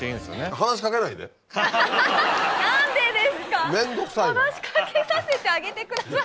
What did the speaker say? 話し掛けさせてあげてくださいよ。